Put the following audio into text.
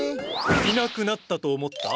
いなくなったと思った？